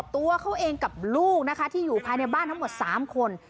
ตัวเขาเองกับลูกนะคะที่อยู่ภายในบ้านทั้งหมด๓คน